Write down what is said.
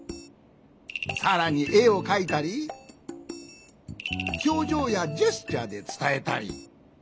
さらにえをかいたりひょうじょうやジェスチャーでつたえたり。